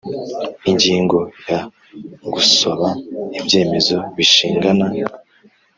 Ingingo ya gusaba ibyemezo bishingana